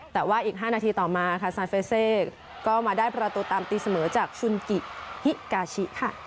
แต่ว่าอีก๕นาทีต่อมาค่ะซานเฟเซก็มาได้ประตูตามตีเสมอจากซุนกิฮิกาชิค่ะ